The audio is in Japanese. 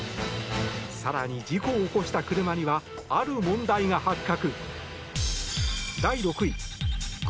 更に、事故を起こした車にはある問題が発覚。